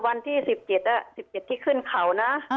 วันที่สิบเก็ตอ่ะสิบเก็ตที่ขึ้นเข่าน่ะอ่า